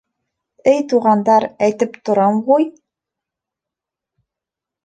— Эй, туғандар, әйтеп торам ғуй.